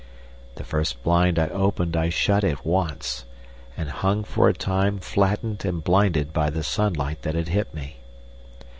The first blind I opened I shut at once, and hung for a time flattened and blinded by the sunlight that had hit me.